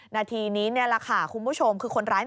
นาทีนี้นี่แหละค่ะคุณผู้ชมคือคนร้าย